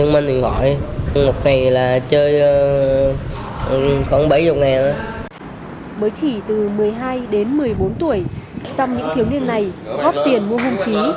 mới chỉ từ một mươi hai đến một mươi bốn tuổi song những thiếu niên này góp tiền mua hung khí